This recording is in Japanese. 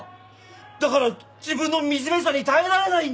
だから自分の惨めさに耐えられないんだよ！